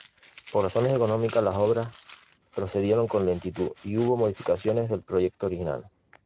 Por razones económicas las obras procedieron con lentitud y hubo modificaciones del proyecto original.